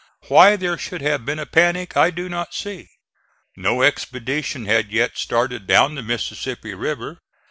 Why there should have been a panic I do not see. No expedition had yet started down the Mississippi River.